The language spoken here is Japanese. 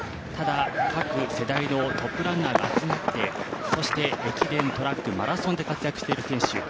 ただ、各世代のトップランナーが集まってそして、駅伝、トラックマラソンで活躍している選手。